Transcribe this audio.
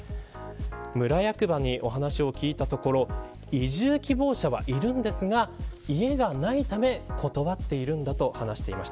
村役場に話を聞いたところ移住希望者はいるのですが家がないため断っているんだという話です。